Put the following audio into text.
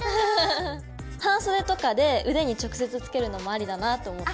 半袖とかで腕に直接着けるのもアリだなと思った。